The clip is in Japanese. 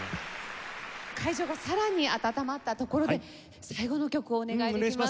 会場がさらに温まったところで最後の曲をお願いできますか？